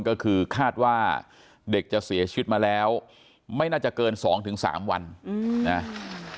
ก็คือคาดว่าเด็กจะเสียชีวิตมาแล้วไม่น่าจะเกิน๒๓วันนะ